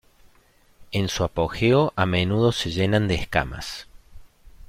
En su apogeo, a menudo se llenan de escamas.